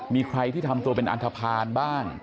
มีใครที่ทำตัวเป็นอันทภาณบ้าง